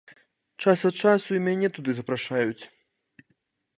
Час ад часу і мяне туды запрашаюць.